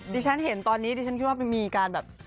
ที่ฉันเห็นตอนนี้ดิฉันคิดว่ามันมีการแบบ